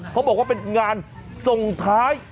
เขาบอกว่าเป็นงานส่งท้าย